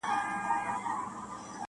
سو خبر د خپل نصیب له درانه سوکه,